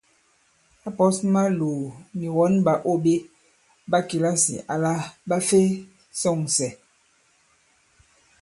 Ǎ pɔ̌s Maloò nì wɔn ɓàô ɓe ɓa kìlasì àla ɓa fe sɔ̂ŋsɛ.